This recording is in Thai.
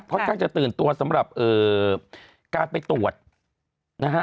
ค่อนข้างจะตื่นตัวสำหรับการไปตรวจนะฮะ